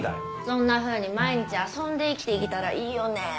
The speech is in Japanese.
そんなふうに毎日遊んで生きていけたらいいよねぇ。